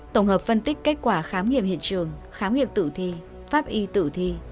tổng hợp phân tích kết quả khám nghiệm hiện trường khám nghiệm tử thi pháp y tử thi